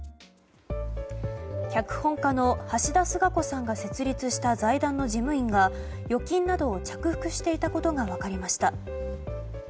脚本家の橋田壽賀子さんが設立した財団の事務員が預金などを着服していたことが分かりました。